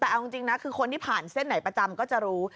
แต่เอาจริงนะคือคนที่ผ่านเส้นไหนประจำก็จะรู้